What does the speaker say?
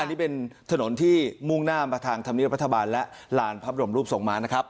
อันนี้เป็นถนนที่มุ่งหน้ามาทางธรรมเนียบรัฐบาลและลานพระบรมรูปทรงม้านะครับ